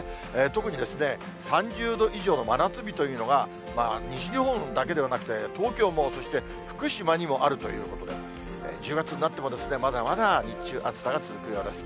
特に３０度以上の真夏日というのが、西日本だけではなくて、東京も、そして福島にもあるということで、１０月になっても、まだまだ日中、暑さが続くようです。